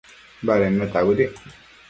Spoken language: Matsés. baded neta bëdic